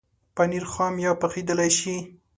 پنېر خام یا پخېدلای شي.